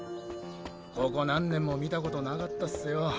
ここ何年も見たことなかったスよ。